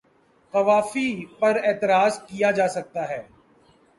قوافی پر اعتراض کیا جا سکتا ہے۔